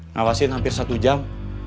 ngawasin hampir satu jam